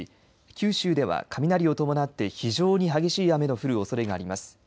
九州では雷を伴って非常に激しい雨の降るおそれがあります。